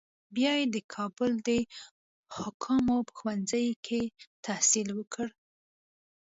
بیا یې د کابل د حکامو په ښوونځي کې تحصیل وکړ.